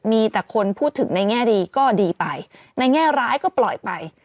มีแต่คนพูดถึงในแง่ดีก็ดีไปในแง่ร้ายก็ปล่อยไป